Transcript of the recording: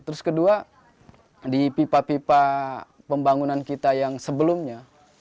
terus kedua di pipa pipa pembangunan kita yang sebelumnya